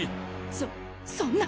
そそんな。